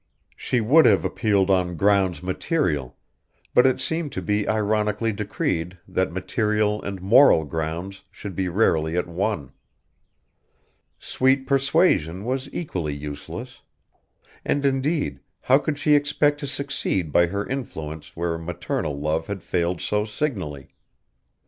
She would have appealed on grounds material, but it seemed to be ironically decreed that material and moral grounds should be rarely at one. Sweet persuasion was equally useless. And indeed, how could she expect to succeed by her influence where maternal love had failed so signally?